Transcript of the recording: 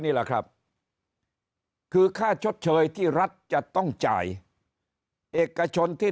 นี่แหละครับคือค่าชดเชยที่รัฐจะต้องจ่ายเอกชนที่